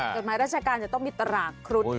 กฎหมายราชการจะต้องมีตราครุฑ